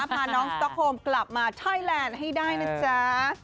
พาน้องสต๊อกโฮมกลับมาไทยแลนด์ให้ได้นะจ๊ะ